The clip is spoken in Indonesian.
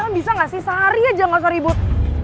bisa gak sih sehari aja gak usah ribut